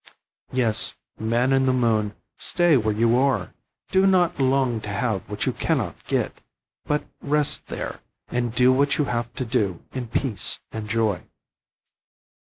Yes, man in the moon, stay where you are. Do not long to have what you can not get, but rest there, and do what you have to do in peace and joy.